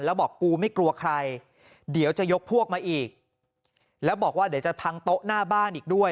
แล้วบอกกูไม่กลัวใครเดี๋ยวจะยกพวกมาอีกแล้วบอกว่าเดี๋ยวจะพังโต๊ะหน้าบ้านอีกด้วย